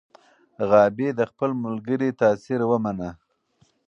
غابي د خپل ملګري تاثیر ومنه.